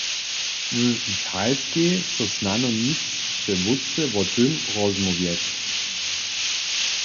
W Italskej so snano nic přewótře wo tym rozmołwjeć.